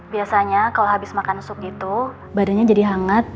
biasanya kalau habis makan sup itu badannya jadi hangat